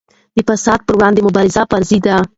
د فساد پر وړاندې مبارزه فرض ده.